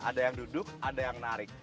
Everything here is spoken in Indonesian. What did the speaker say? ada yang duduk ada yang narik